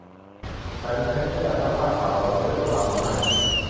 ฉันใช้น้ำยาซักผ้าขาว แล้วเสื้อก็ขาวเหมือนใหม่